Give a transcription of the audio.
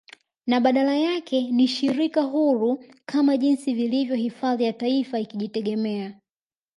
Na badala yake ni shirika huru kama jinsi ilivyo hifadhi ya aifa likijitegemea